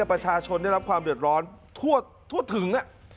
ประชาชนได้รับความเดือดร้อนทั่วถึง